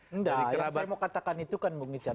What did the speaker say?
kerabat yang saya mau katakan itu kan